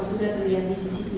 sudah terlihat di cctv